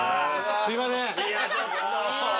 すいません・うわ